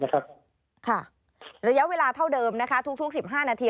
ระยะเวลาเท่าเดิมทุก๑๕นาที